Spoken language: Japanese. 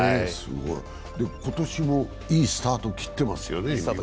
今年もいいスタートを切ってますよね。